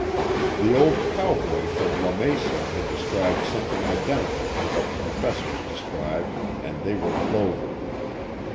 The old cowboy from Lamesa had described something identical to what the professors described and they were plover.